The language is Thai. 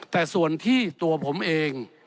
แต่ส่วนที่ตัวผมเอง